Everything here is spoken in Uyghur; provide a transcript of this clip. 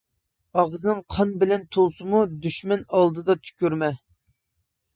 ئاغزىڭ قان بىلەن تولسىمۇ دۈشمەن ئالدىدا تۈكۈرمە.